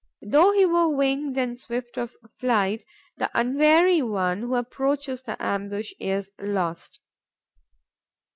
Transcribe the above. Though he were winged and swift of flight, the unwary one who approaches the ambush is lost.